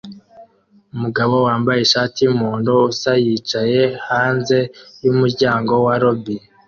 Umugabo wambaye ishati yumuhondo usa yicaye hanze yumuryango wa lobby